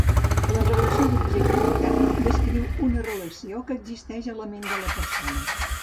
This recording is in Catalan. La relació d'objecte intern descriu una relació que existeix a la ment de la persona.